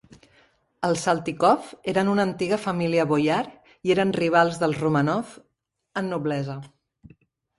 Els Saltykov eren una antiga família boiar i eren rivals dels Romànov en noblesa.